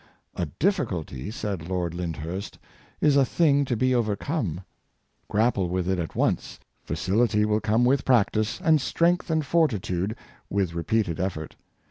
" A difficulty," said Lord Lyndhurst, "is a thing to be overcome;" grapple with it at once; facility will come with practice, and strength and forti tude with repeated effort.